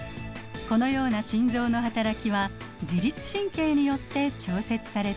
このような心臓のはたらきは自律神経によって調節されています。